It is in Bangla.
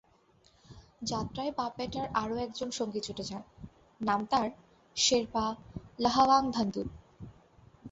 যাত্রায় বাপ-বেটার আরও একজন সঙ্গী জুটে যান, নাম তাঁর শেরপা লহাওয়াং ধনদুপ।